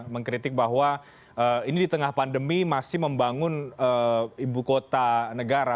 mengkritik bahwa ini di tengah pandemi masih membangun ibu kota negara